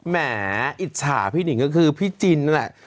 หมออิจฉาพี่หนิงก็คือพี่จินนั่นแหละ